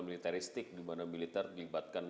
militeristik dimana militer dilibatkan